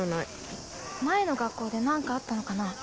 前の学校で何かあったのかなぁ。